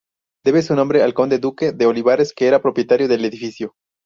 Debe su nombre al Conde-duque de Olivares que era el propietario del edificio.